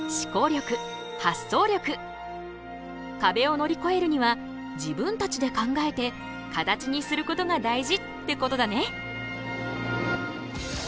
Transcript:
かべを乗りこえるには自分たちで考えて形にすることが大事ってことだね。